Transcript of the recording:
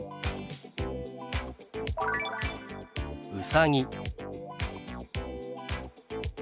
「うさぎ」。